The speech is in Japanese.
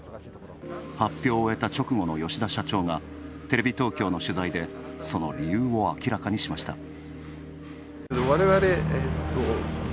発表を終えた直後の吉田社長がテレビ東京の取材で、その理由を明らかにしました。